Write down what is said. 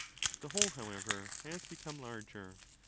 The whole, however, has become larger.